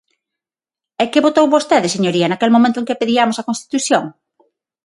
E ¿que votou vostede, señoría, naquel momento en que pediamos a constitución?